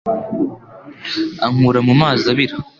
ankura mu mazi abira